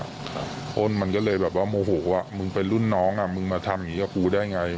อ้นมันก็เลยแบบว่าโมโหว่ามึงเป็นรุ่นน้องอ่ะมึงมาทำอย่างนี้กับกูได้ไง